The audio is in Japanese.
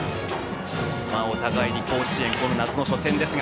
お互いに甲子園夏の初戦です。